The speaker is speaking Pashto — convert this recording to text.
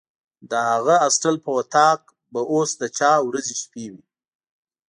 د هغه هاسټل په وطاق به اوس چا ورځې شپې وي.